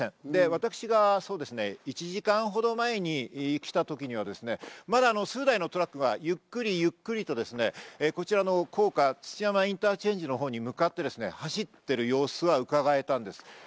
私が１時間ほど前に来た時には、まだ数台のトラックがゆっくりゆっくりと、こちらの土山インターチェンジのほうに向かって走っている様子がうかがえたんです。